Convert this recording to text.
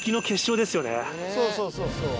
そうそうそうそう。